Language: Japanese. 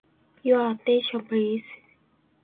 Your attention, please.